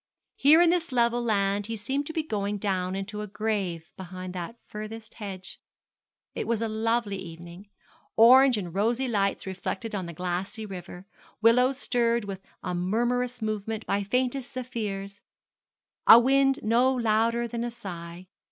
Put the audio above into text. Here in this level land he seemed to be going down into a grave behind that furthest hedge. It was a lovely evening orange and rosy lights reflected on the glassy river, willows stirred with a murmurous movement by faintest zephyrs a wind no louder than a sigh.